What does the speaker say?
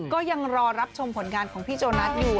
ก็ยังรอรับชมผลงานของพี่โจนัสอยู่